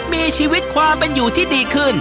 มีชีวิตความเป็นอยู่ที่ดีขึ้น